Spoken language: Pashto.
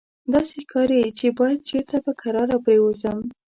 داسې ښکاري چې باید چېرته په کراره پرېوځم.